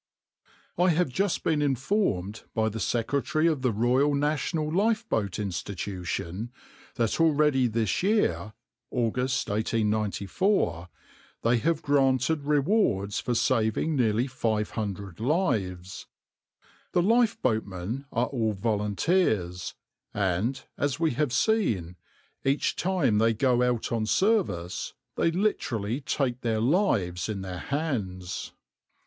I have just been informed by the Secretary of the Royal National Lifeboat Institution that already this year (August 1894) they have granted rewards for saving nearly 500 lives. The lifeboatmen are all volunteers, and, as we have seen, each time they go out on service they literally take their lives in their hands.